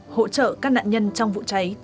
hỗ trợ các nạn nhân trong vụ cháy